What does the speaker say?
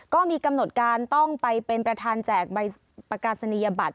ก็มีกำหนดการต้องไปเป็นประธานแจกใบประกาศนียบัตร